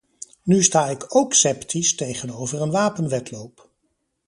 Nu sta ook ik sceptisch tegenover een wapenwedloop.